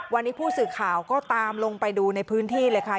วันนี้ผู้สื่อข่าวก็ตามลงไปดูในพื้นที่เลยค่ะ